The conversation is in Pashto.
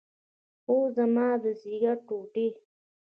اوه زما د ځيګر ټوټې.